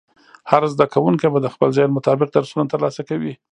هر زده کوونکی به د خپل ذهن مطابق درسونه ترلاسه کوي.